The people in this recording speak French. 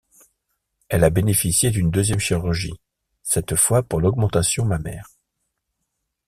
Elle a bénéficié d'une deuxième chirurgie, cette fois pour l'augmentation mammaire.